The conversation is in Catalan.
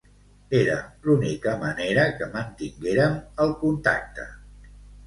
Era l'única manera que mantinguérem el contacte.